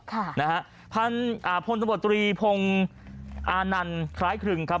ค่ะนะฮะพันอ่าพลตำรวจตรีพงศ์อานันต์คล้ายครึงครับ